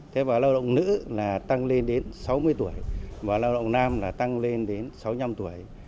thế và lao động nữ là tăng lên đến sáu mươi tuổi và lao động nam là tăng lên đến sáu mươi năm tuổi